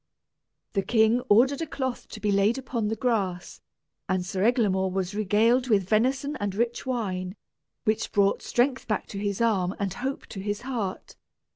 The king ordered a cloth to be laid upon the grass, and Sir Eglamour was regaled with venison and rich wine, which brought strength back to his arm and hope to his heart.